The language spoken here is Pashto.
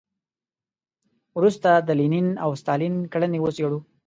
وروسته د لینین او ستالین کړنې وڅېړو.